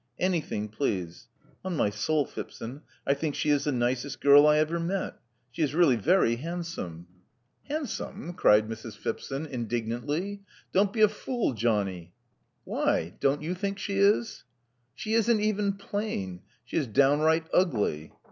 Anything, please. On my soul, Phipson, I think she is the nicest girl I ever met. She is really very handsome. 282 Love Among the Artists '* Handsome!'* cried Mrs. PhipsoDy indignantly. Don't be a fool, Johnny." *'Why? Don't you think she is?" She isn't even plain: she is downright ugly.'